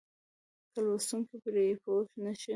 که لوستونکی پرې پوه نه شي.